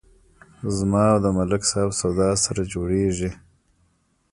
زما او د ملک صاحب سودا سره جوړیږي.